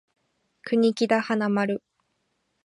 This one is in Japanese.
国木田花丸